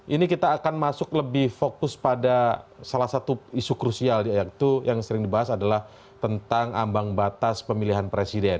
ini kita akan masuk lebih fokus pada salah satu isu krusial itu yang sering dibahas adalah tentang ambang batas pemilihan presiden